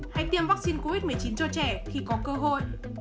hãy tiêm vắc xin covid một mươi chín cho trẻ khi có cơ hội